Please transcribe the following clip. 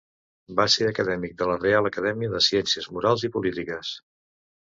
Va ser acadèmic de la Reial Acadèmia de Ciències Morals i Polítiques.